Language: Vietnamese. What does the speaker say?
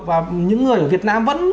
và những người ở việt nam vẫn